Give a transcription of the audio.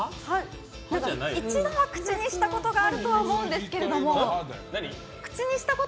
一度は口にしたことがあるとは思うんですけど。